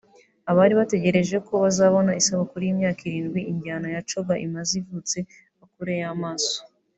Abari bategereje ko bazabona isabukuru y’imyaka irindwi injyana ya Coga imaze ivutse bakureyo amaso